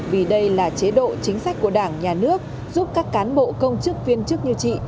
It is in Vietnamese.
vì đây là chế độ chính sách của đảng nhà nước giúp các cán bộ công chức viên chức như chị